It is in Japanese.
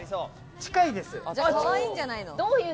近いです。